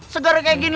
segar kayak gini